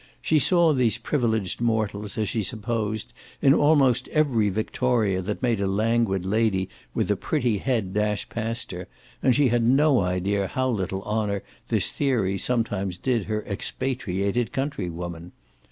She saw these privileged mortals, as she supposed, in almost every victoria that made a languid lady with a pretty head dash past her, and she had no idea how little honour this theory sometimes did her expatriated countrywomen.